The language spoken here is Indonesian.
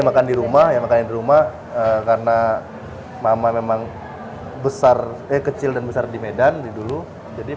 makan di rumah ya makan di rumah karena mama memang besar kecil dan besar di medan dulu jadi